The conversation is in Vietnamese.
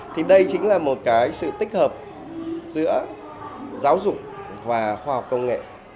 thì đây chính là một cái sự tích hợp giữa giáo dục và khoa học công nghệ